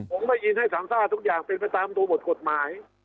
ผมได้ยินให้สามซ่าทุกอย่างเป็นไปตามดูบทกฎหมาย